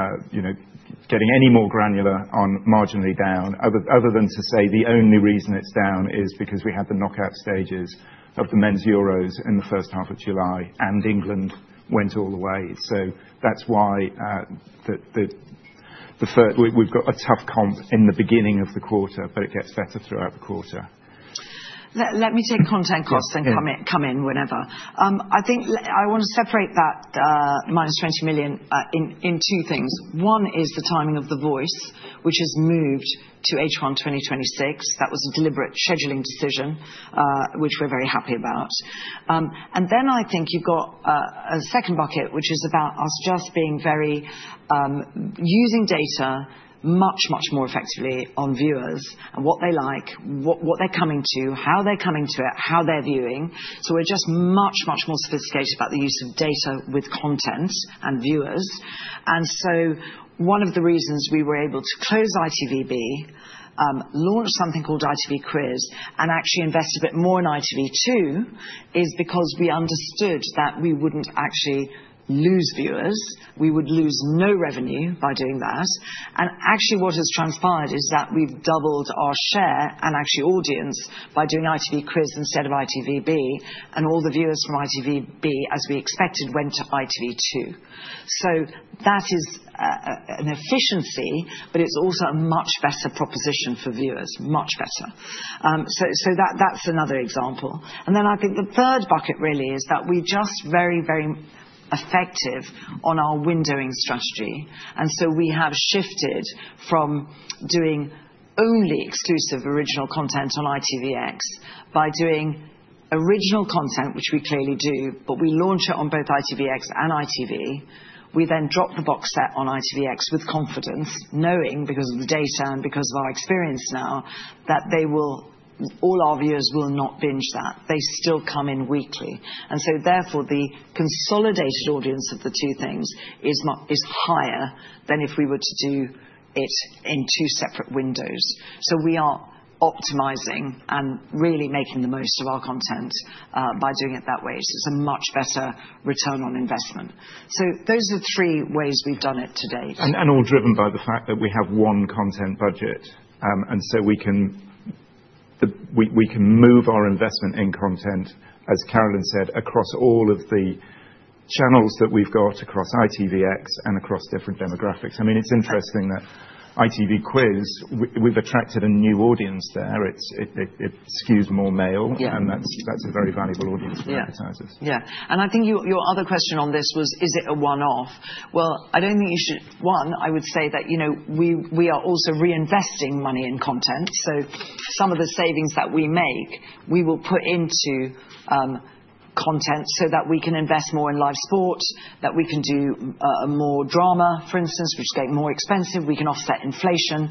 getting any more granular on marginally down, other than to say the only reason it's down is because we had the knockout stages of the men's Euros in the first half of July and England went all the way. That's why we've got a tough comp in the beginning of the quarter. It gets better throughout the quarter. Let me take content costs and come in whenever I think. I want to separate that minus 20 million in two things. One is the timing of The Voice, which has moved to H1 2026. That was a deliberate scheduling decision, which we're very happy about. I think you've got a second bucket, which is about us just being very, using data much, much more effectively on viewers and what they like, what they're coming to, how they're coming to it, how they're viewing. We're just much, much more sophisticated about the use of data with content and viewers. One of the reasons we were able to close ITVB, launch something called ITV Quiz, and actually invest a bit more in ITV2 is because we understand, understood that we wouldn't actually lose viewers, we would lose no revenue by doing that. Actually, what has transpired is that we've doubled our share and actually audience by doing ITV Quiz instead of ITVBe. All the viewers from ITVBe, as we expected, went to ITV2. That is an efficiency, but it's also a much better proposition for viewers, much better. That's another example. I think the third bucket really is that we're just very, very effective on our windowing strategy. We have shifted from doing only exclusive original content on ITVX by doing original content, which we clearly do, but we launch it on both ITVX and ITV. We then drop the box set on ITVX with confidence, knowing because of the data, because of our experience now, that they will, all our viewers will not binge, that they still come in weekly. Therefore, the consolidated audience of the two things is higher than if we were to do it in two separate windows. We are optimizing and really making the most of our content by doing it that way. It's a much better return on investment. Those are three ways we've done. It is today, and all driven by the fact that we have one content budget. We can move our investment in content, as Carolyn said, across all of the channels that we've got, across ITVX, and across different demographics. It's interesting that ITV Quiz, we've attracted a new audience there, it skews more male and that's a very valuable audience. Yeah. I think your other question on this was, is it a one off? I don't think you should. I would say that, you know, we are also reinvesting money in content, so some of the savings that we make we will put into content so that we can invest more in live sport, that we can do more drama, for instance, which get more expensive, we can offset inflation.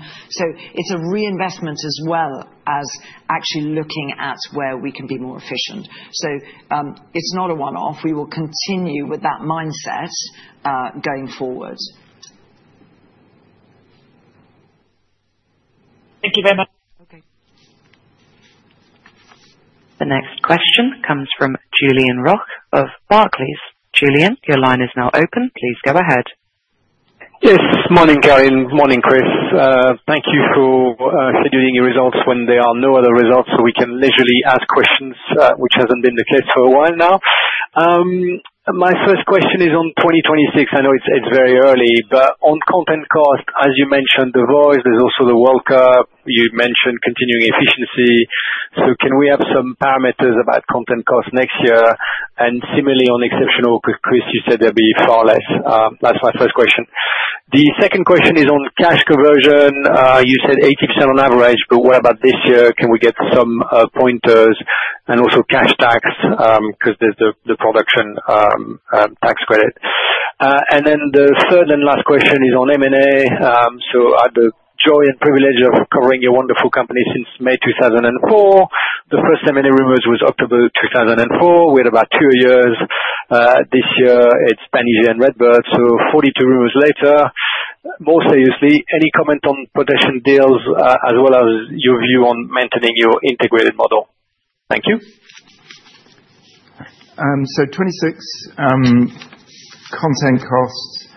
It's a reinvestment as well and as actually looking at where we can be more efficient. It's not a one off. We will continue with that mindset going forward. Thank you very much. The next question comes from Julian Roch of Barclays. Julian, your line is now open. Please go ahead. Yes. Morning, Carolyn. Morning, Chris. Thank you for scheduling your results when there are no other results, so we can leisurely add questions, which hasn't been the case for a while now. My first question is on 2026. I know it's very early, but on content cost, as you mentioned The Voice, there's also the World Cup. You mentioned continuing efficiency. Can we have some parameters about content cost next year? Similarly, on exceptional, Chris, you said there'd be far less. That's my first question. The second question is on cash conversion. You said 80% on average, but what about this year? Can we get some pointers and also cash tax because there's the production tax credit? The third and last question is on M&A. I had the joy and privilege of covering your wonderful company since May 2004. The first M&A rumors were October 2004. We had about two years. This year it's Paige and RedBird. So 42 rumors later. More seriously, any comment on production deals as well as your view on maintaining your integrated model? Thank you. Content costs,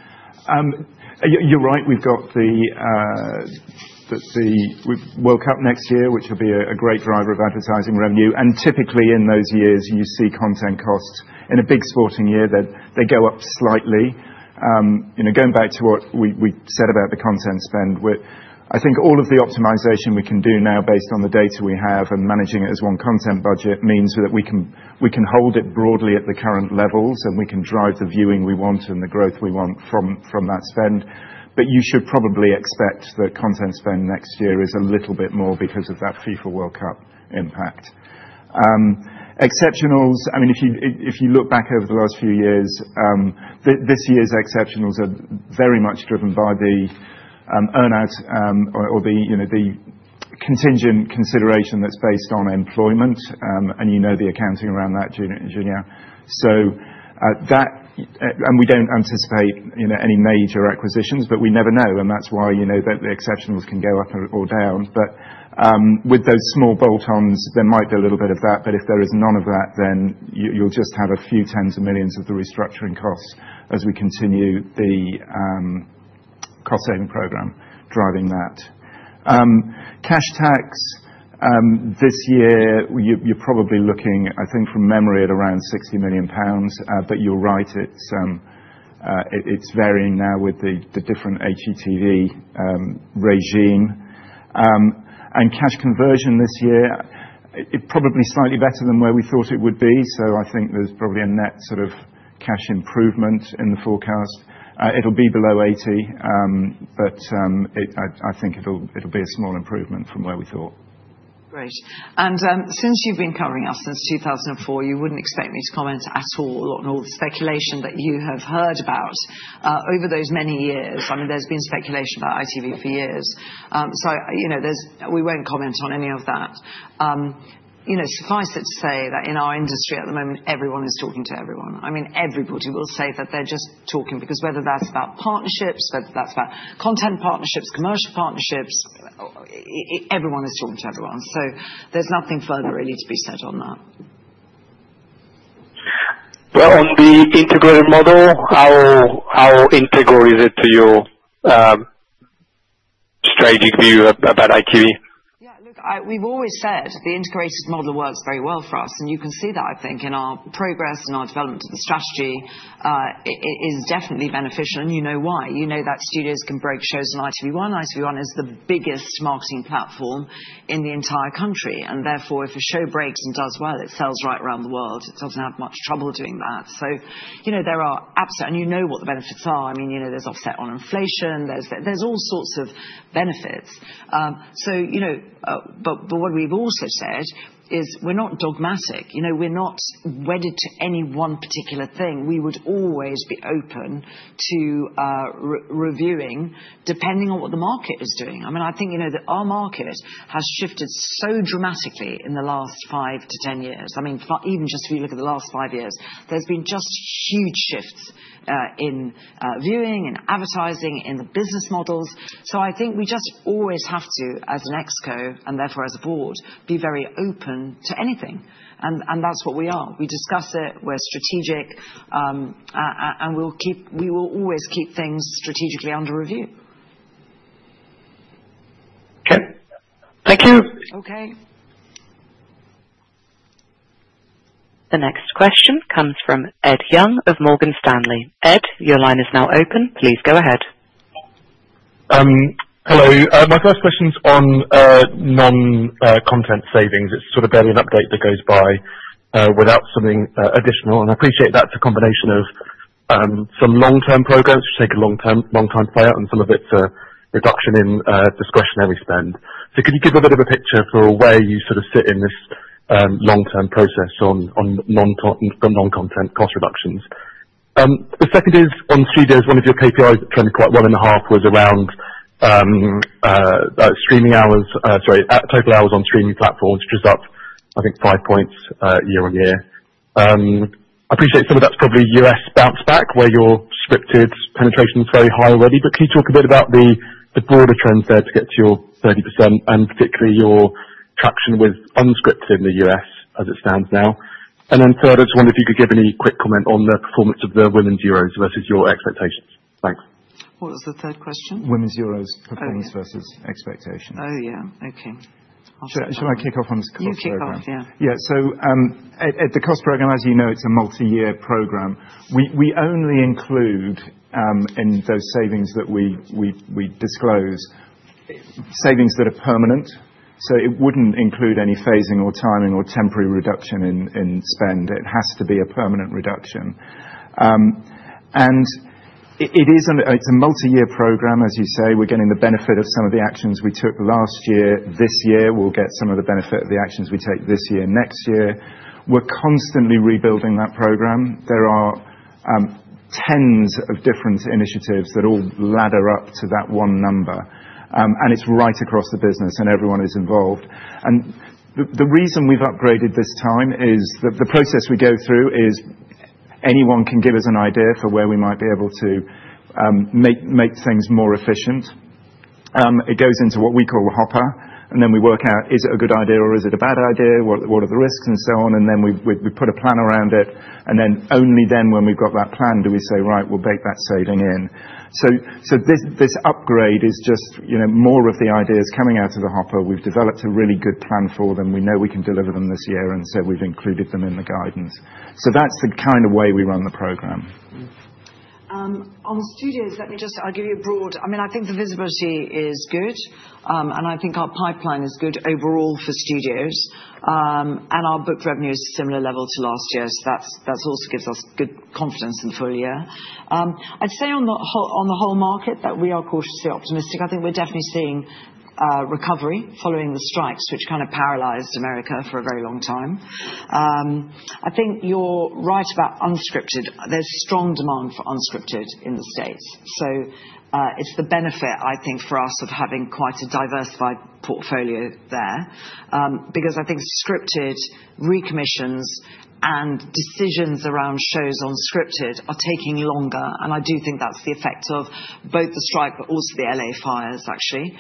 you're right, we've got the World Cup next year which will be a great driver of advertising revenue. Typically in those years you see content costs in a big sporting year that go up slightly. Going back to what we said about the content spend, all of the optimization we can do now based on the data we have and managing it as one content budget means that we can hold it broadly at the current levels and we can drive the viewing we want and the growth we want from that spend. You should probably expect that content spend next year is a little bit more because of that FIFA World Cup impact. Exceptionals, if you look back over the last few years, this year's exceptionals are very much driven by the earn out or the contingent consideration that's based on employment and the accounting around that. We don't anticipate any major acquisitions but we never know. That's why the exceptionals can go up or down, but with those small bolt-ons there might be a little bit of that. If there is none of that then you'll just have a few tens of millions of the restructuring costs as we continue the cost saving program. Driving that cash tax this year, you're probably looking, I think from memory, at around 60 million pounds. It's varying now with the different HETV regime and cash conversion this year is probably slightly better than where we thought it would be. I think there's probably a net sort of cash improvement in the forecast, it'll be below 80 million, but I think it'll be a small improvement from where we thought. Great. Since you've been covering us since 2004, you wouldn't expect me to comment at all on all the speculation that you have heard about over those many years. There's been speculation about ITV for years. We won't comment on any of that. Suffice it to say that in our industry at the moment, everyone is talking to everyone. Everybody will say that they're just talking because whether that's about partnerships, whether that's about content partnerships, commercial partnerships, everyone is talking to everyone. There's nothing further really to be said on that. On the integrated model, our. How integral is it to your strategic view about ITVX? We've always said the integrated model works very well for us. You can see that in our progress and our development of the strategy; it is definitely beneficial. You know why? Studios can break shows in ITV1. ITV1 is the biggest marketing platform in the entire country, and therefore if a show breaks and does well, it sells right around the world without much trouble doing that. There are absolute benefits. There's offset on inflation, there are all sorts of benefits. What we've also said is we're not dogmatic. We're not wedded to any one particular thing. We would always be open to reviewing depending on what the market is doing. Our market has shifted so dramatically in the last five to ten years. Even just if you look at the last five years, there's been just huge shifts in viewing and advertising in the business models. We just always have to, as an ExCo and therefore as a Board, be very open to anything. That's what we are; we discuss it, we're strategic, and we will always keep things strategically under review. Thank you. Okay. The next question comes from Ed Young of Morgan Stanley. Ed, your line is now open. Please go ahead. Hello, my first question is on non-content savings. It's sort of barely an update that goes by without something additional. I appreciate that's a combination of some long-term programs which take a long time to play out and some of it's reduction in discretionary spend. Could you give a bit of a picture for where you sort of sit in this long-term process on non-content cost reductions? The second is on studios. One of your KPIs that trended quite well in the half was around streaming hours, sorry, total hours on streaming platforms, which is up, I think, 5% year-on-year. I appreciate some of that's probably U.S. bounce back where your scripted penetration is very high already. Could you talk a bit about the broader trends there to get to your 30% and particularly your traction with unscripted in the U.S. as it stands now? Third, I just wonder if you could give any quick comment on the performance of the women's euros versus your expectations. Thanks. What was the third question? Women's Euros performance versus expectations. Oh yeah. Okay. Should I kick off on the cost? Program. On the cost program, as you know, it's a multi-year program. We only include in those savings that we disclose savings that are permanent. It wouldn't include any phasing or timing or temporary reduction in spend. It has to be a permanent reduction and it's a multi-year program. As you say, we're getting the benefit of some of the actions we took last year. This year we'll get some of the benefit of the actions we take this year. Next year, we're constantly rebuilding that program. There are tens of different initiatives that all ladder up to that one number and it's right across the business and everyone is involved. The reason we've upgraded this time is that the process we go through is anyone can give us an idea for where we might be able to make things more efficient. It goes into what we call the hopper and then we work out is it a good idea or is it a bad idea, what are the risks and so on. We put a plan around it and only then when we've got that plan do we say, right, we'll bake that saving in. This upgrade is just more of the ideas coming out of the hopper. We've developed a really good plan for them. We know we can deliver them this year and we've included them in the guidance. That's the kind of way we run the program. On studios. I'll give you a broad. I think the visibility is good and I think our pipeline is good overall for studios and our booked revenue is at a similar level to last year. That also gives us good confidence in the full year. I'd say on the whole market that we are cautiously optimistic. I think we're definitely seeing recovery following the strikes which kind of paralyzed America for a very long time. I think you're right about unscripted. There's strong demand for unscripted in the States. It's the benefit, I think for us, of having quite a diversified portfolio there because I think scripted recommissions and decisions around shows on scripted are taking longer. I do think that's the effect of both the strike, but also the LA fires, actually.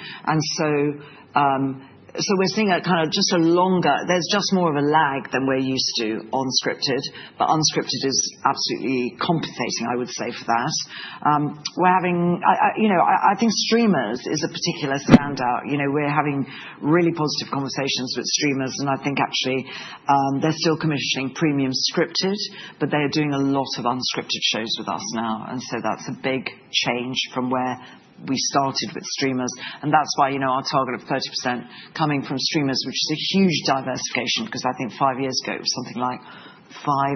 We're seeing just a longer lag than we're used to on scripted. Unscripted is absolutely compensating, I would say, for that. I think streamers is a particular standout. We're having really positive conversations with streamers and I think actually they're still commissioning premium scripted, but they are doing a lot of unscripted shows with us now. That's a big change from where we started with streamers. That's why our target of 30% coming from streamers, which is a huge diversification because I think five years ago it was something like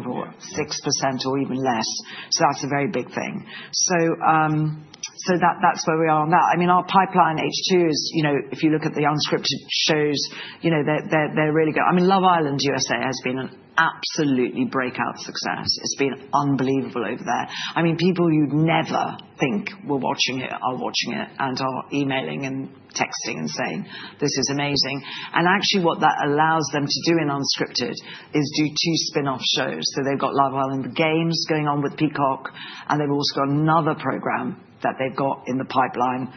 5% or 6% or even less. That's a very big thing. That's where we are now. Our pipeline, H2, if you look at the unscripted shows, they're really good. Love Island USA has been an absolutely breakout success. It's been unbelievable over there. People you'd never think were watching it are watching it and are emailing and texting and saying this is amazing. What that allows them to do in unscripted is do two spin-off shows. They've got Love Island Games going on with Peacock and they've also got another program that they've got in the pipeline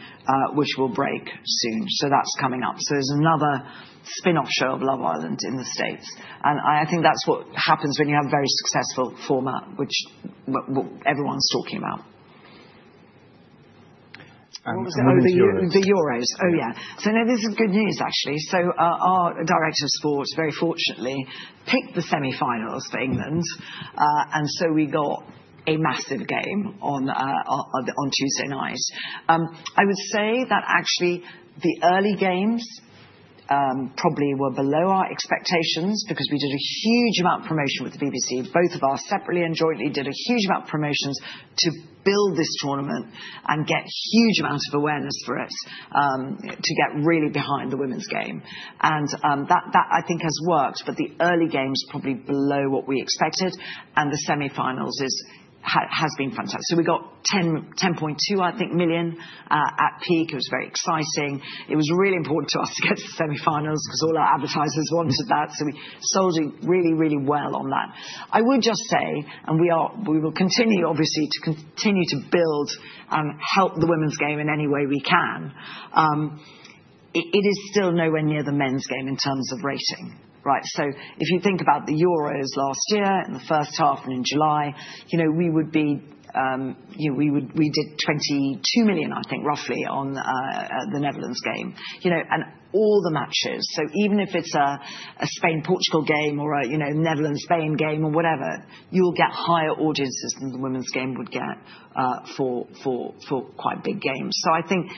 which will break soon. That's coming up. There's another spin-off show of Love Island in the States and I think that's what happens when you have a very successful format which everyone's talking about. The Euros. Oh yeah. This is good news actually. Our Director of Sports very fortunately picked the semi-finals for England and so we got a massive game on Tuesday night. I would say that actually the early games probably were below our expectations because we did a huge amount of promotion with the BBC. Both of us separately and jointly did a huge amount of promotions to build this tournament and get a huge amount of awareness for it to get really behind the women's game. I think that has worked. The early games were probably below what we expected, and the Semifinals have been fantastic. We got 10.2 million at peak. It was very exciting. It was really important to us to get to Semifinals because all our advertisers wanted that. We sold it really, really well. I would just say we will continue, obviously, to continue to build and help the women's game in any way we can. It is still nowhere near the men's game in terms of rating. If you think about the Euros last year in the first half and in July, you know, we would be. We did 22 million, I think, roughly on the Netherlands game and all the matches. Even if it's a Spain Portugal game or a Netherlands Spain game or whatever, you will get higher audiences than the women's game would get for quite big games. I think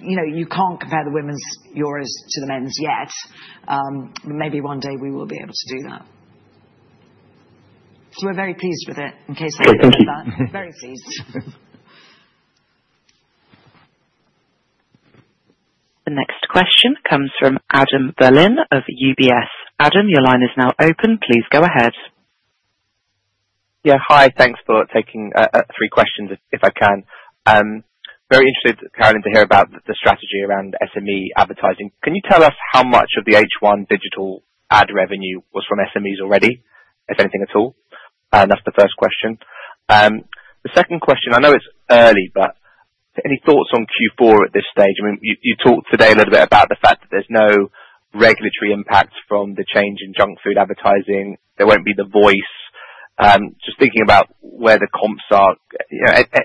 you can't compare the women's Euros to the men's yet. Maybe one day we will be able to do that. We're very pleased with it. In case, I'm very pleased. The next question comes from Adam Berlin of UBS. Adam, your line is now open. Please go ahead. Yeah, hi. Thanks for taking three questions. If I can. Very interested, Carolyn, to hear about the strategy around SME advertising. Can you tell us how much of the H1 digital ad revenue was from SMEs already, if anything at all? That's the first question. The second question, I know it's early, but any thoughts on Q4 at this stage? You talked today a little bit about the fact that there's no regulatory impact from the change in junk food advertising. There won't be The Voice. Just thinking about where the comps are.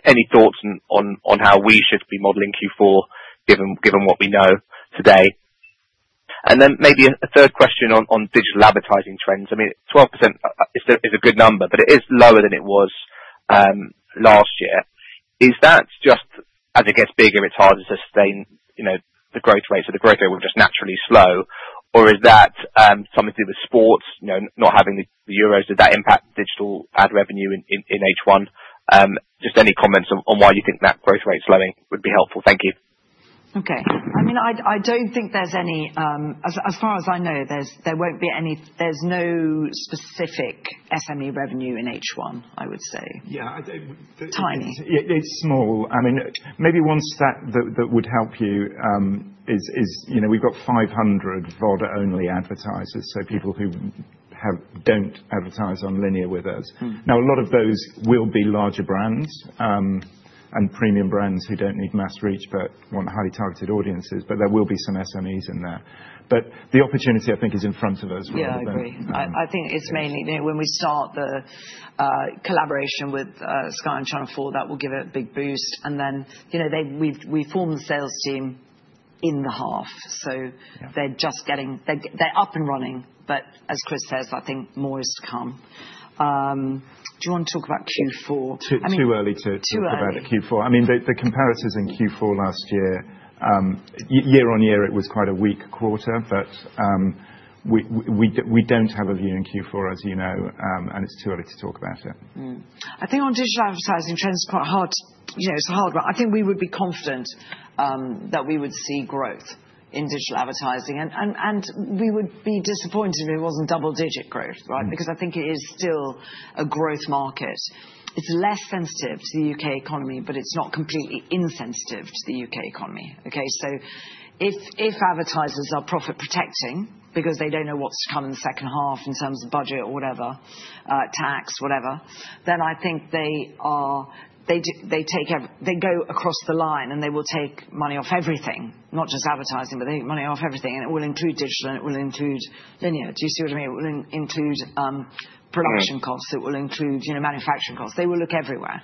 Any thoughts on how we should be modeling Q4 given what we know? Maybe a third question on digital advertising trends. I mean, 12% is a good number, but it is lower than it was last year. Is that just as it gets bigger, it's hard to sustain the growth rate, so the growth rate will just naturally slow? Is that something to do with sports not having the Euros? Did that impact digital ad revenue in H1? Any comments on why you think that growth rate slowing would be helpful? Thank you. Okay. I mean, I don't think there's any. As far as I know, there won't be any. There's no specific SME revenue in H1, I would say. Yeah, tiny. It's small. I mean, maybe one stat that would help you is, you know, we've got 500 VOD-only advertisers, so people who don't advertise on linear with us now. A lot of those will be live larger brands and premium brands who don't need mass reach but want highly targeted audiences. There will be some SMEs in there. The opportunity, I think, is in front of us. Yeah, I agree. I think it's mainly when we start the collaboration with Sky and Channel 4 that will give it a big boost, and then, you know, we form the sales team in the half, so they're just getting, they're up and running. As Chris says, I think more is to come. John, talk about Q4. It's too early to keep for, I mean the comparators in Q4 last year, year-on-year it was quite a weak quarter. We don't have a view in Q4 as you know, and it's too early to talk about it. I think on digital advertising trends, it's hard. I think we would be confident that we would see growth in digital advertising, and we would be disappointed if it wasn't double-digit growth. Right. Because I think it is still a growth market. It's less sensitive to the U.K. economy, but it's not completely insensitive to the U.K. economy. If advertisers are profit protecting because they don't know what's to come in the second half in terms of budget or whatever, tax, whatever, then I think they go across the line and they will take money off everything, not just advertising, but they take money off everything and it will include digital and it will include linear. Do you see what I mean? It will include production costs, it will include manufacturing costs. They will look everywhere.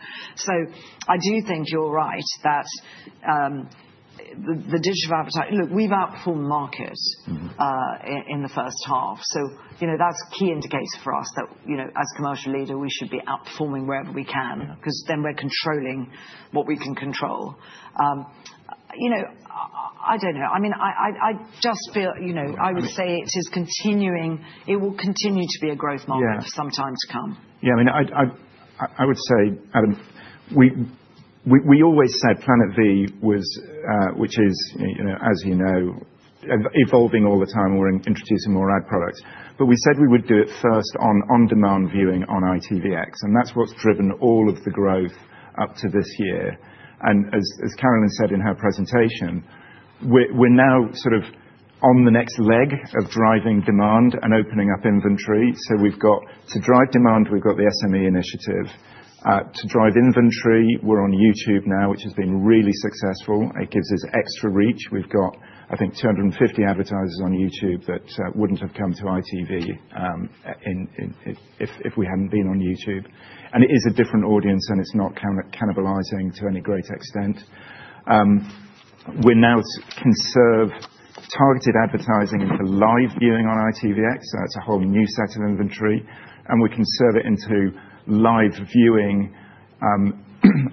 I do think you're right that the digital advertising, look, we've outperformed market in the first half. That's a key indicator for us that as commercial leader we should be outperforming wherever we can because then we're controlling what we can control. I don't know, I mean, I just feel, I would say it is continuing, it will continue to be a growth market for some time to come. I would say we always said Planet V was, which is, you know, as you know, evolving all the time. We're introducing more ad products, but we said we would do it first on on-demand viewing on ITVX, and that's what's driven all of the growth up to this year. As Carolyn said in her presentation, we're now sort of on the next leg of driving demand and opening up inventory. We've got to drive demand. We've got the SME initiative to drive inventory. We're on YouTube now, which has been really successful. It gives us extra reach. We've got, I think, 250 advertisers on YouTube that wouldn't have come to ITV if we hadn't been on YouTube. It is a different audience, and it's not cannibalizing to any great extent. We now can serve targeted advertising into live viewing on ITVX, so it's a whole new set of inventory, and we can serve it into live viewing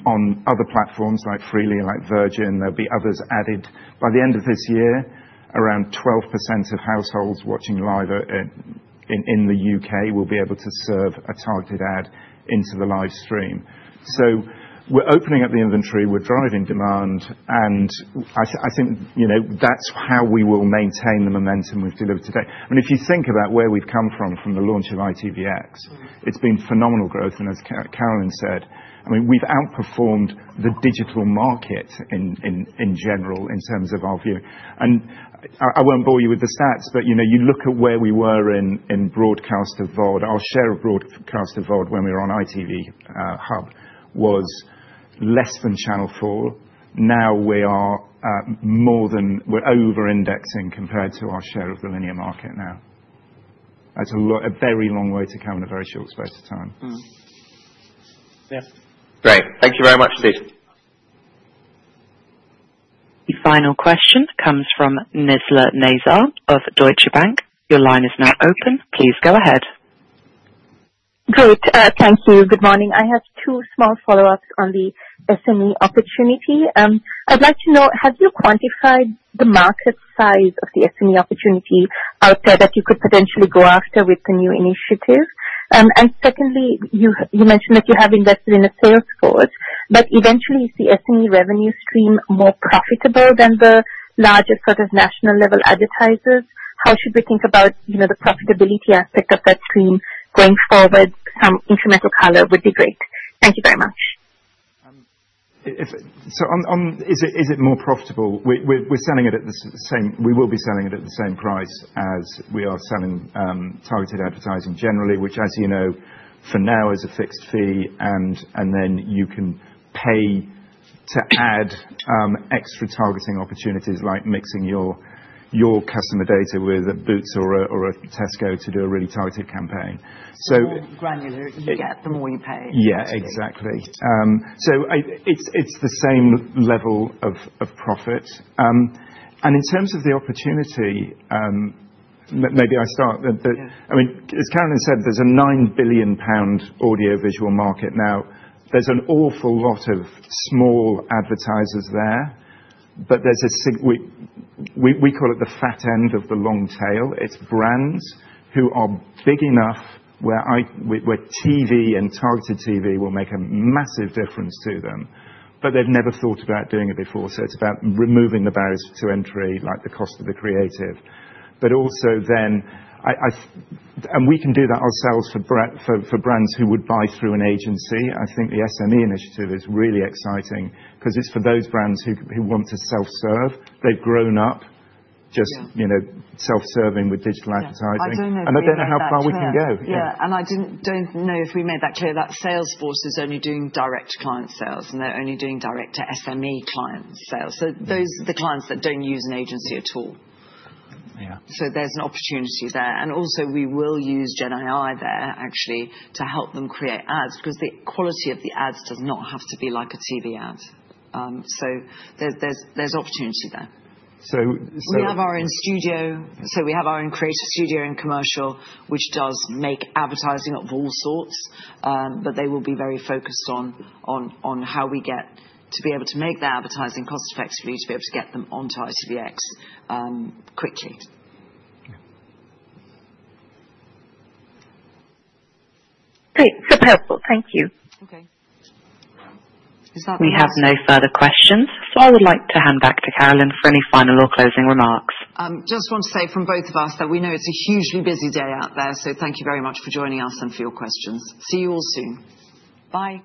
on other platforms like Freely, like Virgin. There'll be others added. By the end of this year, around 12% of households watching live in the U.K. will be able to serve a targeted ad into the live stream. We're opening up the inventory, we're driving demand, and I think that's how we will maintain the momentum we've delivered today. If you think about where we've come from from the launch of ITVX, it's been phenomenal growth. As Carolyn said, we've outperformed the digital market in general in terms of our view. I won't bore you with the stats, but you know, you look at where we were in broadcast VOD, our share of broadcast VOD when we were on ITV Hub was less than Channel 4. Now we are more than, we're over-indexing compared to our share of the linear market. That's a very long way to come in a very short space of time. Great, thank you very much indeed. The next question comes from Ed Young of Morgan Stanley. Ed, your line is now open. Please go ahead. Great, thank you. Good morning. I have two small follow-ups on the SME opportunity. I'd like to know, have you quantified the market size of the SME opportunity out there that you could potentially go after with the new initiative? Secondly, you mentioned that you have invested in a sales force, but eventually is the SME revenue stream more profitable than the largest sort of national level advertisers? How should we think about the profitability aspect of that stream going forward? Some incremental color would be great. Thank you very much. It is more profitable? We're selling it at the same. We will be selling it at the same price as we are selling targeted advertising generally, which as you know for now is a fixed fee. You can pay to add extra targeting opportunities like mixing your customer data with Boots or a Tesco to do a really targeted campaign. The more granular you get, the more you pay. Yeah, exactly. It's the same level of profit, and in terms of the opportunity, maybe I start. I mean, as Carolyn said, there's a 9 billion pound audio visual market now. There's an awful lot of small advertisers there. We call it the fat end of the long tail. It's brands who are big enough where TV and targeted TV will make a massive difference to them, but they've never thought about doing it before. It's about removing the barriers to entry, like the cost of the creative, but also then we can do that ourselves. For brands who would buy through an agency, I think the SME initiative is really exciting because it's for those brands who want to self serve. They've grown up just self serving with digital advertising, and I don't know how far we can go. I don't know if we made that clear that Salesforce is only doing direct client sales and they're only doing direct to SME client sales. Those are the clients that don't use an agency at all. There is an opportunity there and we will use Gen AI there actually to help them create ads because the quality of the ads does not have to be like a TV ad. There is opportunity there. We have our own studio, so we have our own creative studio and commercial, which does make advertising of all sorts. They will be very focused on how we get to be able to make that advertising cost effectively to be able to get them onto ITVX quickly. Great. Super helpful. Thank you. We have no further questions, so I would like to hand back to Carolyn for any final or closing remarks. Just want to say from both of us that we know it's a hugely busy day out there, so thank you very much for joining us and for your questions. See you all soon. Bye.